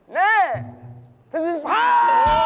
เน่สนิทภาษณ์